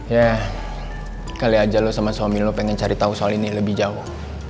ya kali aja lo sama suami lu pengen cari tahu soal ini lebih jauh